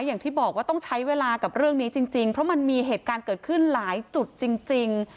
อย่างที่บอกว่าต้องใช้เวลากับเรื่องนี้จริงเพราะมันมีเหตุการณ์เกิดขึ้นหลายจุดจริง